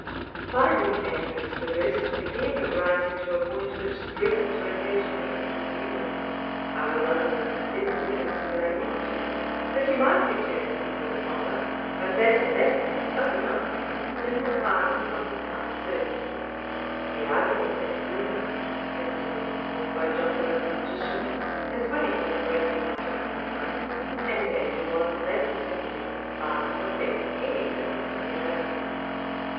Finding Andrew's perverseness again rising to a point which threatened to occasion me inconvenience, I was under the necessity of explaining to him, that he might return if he thought proper, but that in that case I would not pay him a single farthing for his past services. The argument ad crumenam, as it has been called by jocular logicians, has weight with the greater part of mankind, and Andrew was in that particular far from affecting any trick of singularity.